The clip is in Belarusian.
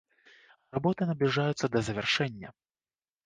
Работы набліжаюцца да завяршэння.